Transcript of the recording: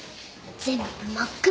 全部真っ黒。